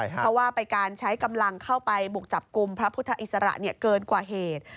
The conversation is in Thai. เพราะว่าไปการใช้กำลังเข้าไปบุกจับกลุ่มพระพุทธอิสระเกินกว่าเหตุ